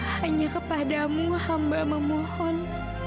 hanya kepadamu hamba memohon